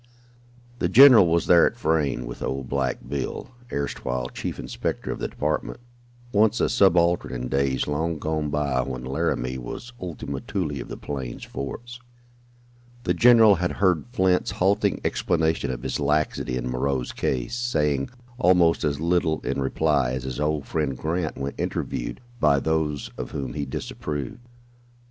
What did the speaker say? The general was there at Frayne, with old "Black Bill," erstwhile chief inspector of the department, once a subaltern in days long gone by when Laramie was "Ultima Thule" of the plains forts. The general had heard Flint's halting explanation of his laxity in Moreau's case, saying almost as little in reply as his old friend Grant when "interviewed" by those of whom he disapproved.